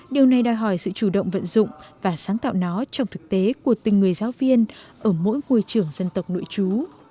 điều này đòi hỏi sự chủ động vận dụng và sáng tạo nó trong thực tế của từng người giáo viên ở mỗi môi trường dân tộc nội chú